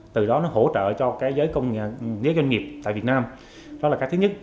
từ đó nó hỗ trợ cho giới doanh nghiệp tại việt nam đó là cái thứ nhất